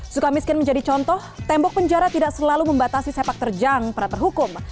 suka miskin menjadi contoh tembok penjara tidak selalu membatasi sepak terjang para terhukum